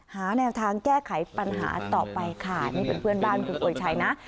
หาแนวทางแก้ไขปัญหาต่อไปค่ะนี่เป็นเพื่อนบ้านคุณป่วยชัยนะ